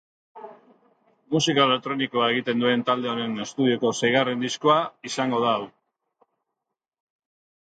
Musika elektronikoa egiten duen talde honen estudioko seigarren diskoa izango da hau.